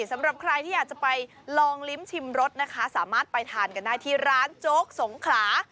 สำหรับใครที่อยากจะไปลองลิ้มชิมรสนะคะสามารถไปทานกันได้ที่ร้านโจ๊กสงขลา